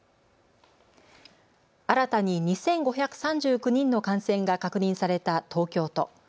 新たに２５３９人の感染が確認された東京都。